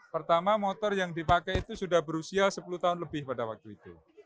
pertama motor yang dipakai itu sudah berusia sepuluh tahun lebih pada waktu itu